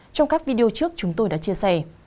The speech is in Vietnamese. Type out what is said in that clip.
trong các video trước chúng tôi đã chia sẻ